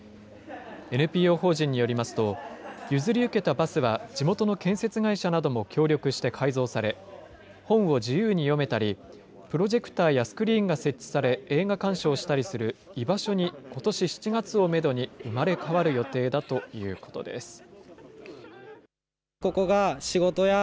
ＮＰＯ法人によりますと、譲り受けたバスは地元の建設会社なども協力して改造され、本を自由に読めたり、プロジェクターやスクリーンが設置され、映画鑑賞したりする居場所に、ことし７月をメドに生まれ変わる予定だということです。